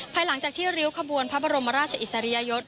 ภายหลังจากที่ริ้วขบวนพระบรมราชอิสริยยศ